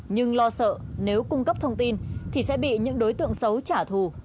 nhưng lo sợ nếu cung cấp thông tin thì sẽ bị những đối tượng xấu trả thù